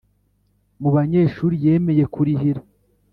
mu banyeshuri yemeye kurihira